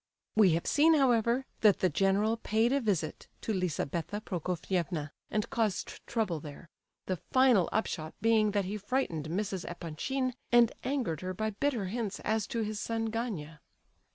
We have seen, however, that the general paid a visit to Lizabetha Prokofievna and caused trouble there, the final upshot being that he frightened Mrs. Epanchin, and angered her by bitter hints as to his son Gania.